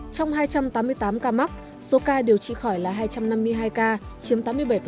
trong hai trăm tám mươi tám ca mắc số ca điều trị khỏi là hai trăm năm mươi hai ca chiếm tám mươi bảy